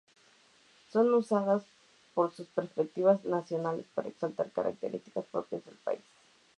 Son usadas por sus respectivas naciones para exaltar características propias del país.